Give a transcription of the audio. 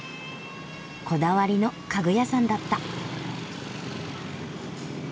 こだわりの家具屋さんだった。